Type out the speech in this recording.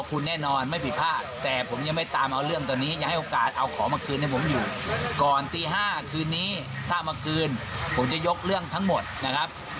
ก่อนตีห้าคืนนี้ถ้ามาคืนผมจะยกเรื่องทั้งหมดนะครับ